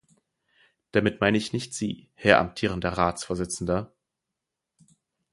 Damit meine ich nicht Sie, Herr amtierender Ratsvorsitzender.